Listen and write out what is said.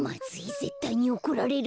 ぜったいにおこられる。